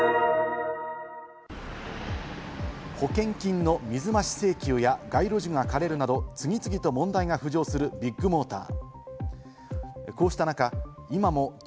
保険金の水増し請求や、街路樹が枯れるなど次々と問題が浮上するビッグモーター。